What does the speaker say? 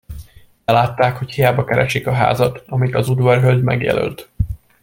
Belátták, hogy hiába keresik a házat, amit az udvarhölgy megjelölt.